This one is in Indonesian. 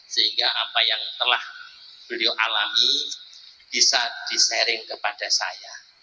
sehingga apa yang telah beliau alami bisa di sharing kepada saya